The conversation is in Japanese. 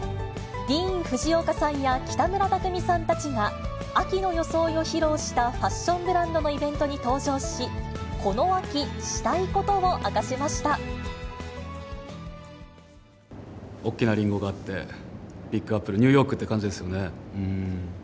ディーン・フジオカさんや北村匠海さんたちが、秋の装いを披露したファッションブランドのイベントに登場し、大きなリンゴがあって、ビッグアップル、ニューヨークって感じですよね。